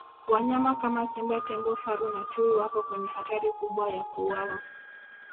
wanyama kama simba tembo faru na chui wako kwenye hatari kubwa ya kuuwawa